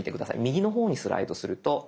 右の方にスライドすると。